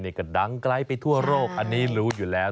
นี่ก็ดังไกลไปทั่วโลกอันนี้รู้อยู่แล้ว